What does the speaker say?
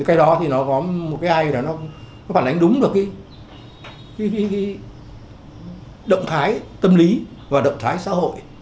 cái đó thì nó có một cái ai đó nó phản ánh đúng được cái động thái tâm lý và động thái xã hội